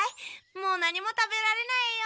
もう何も食べられないよ。